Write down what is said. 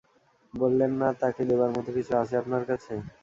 বললেন না তাকে দেবার মতো কিছু আছে আপনার কাছে?